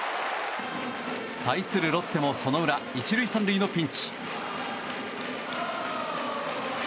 対するロッテもその裏１塁３塁のピンチ。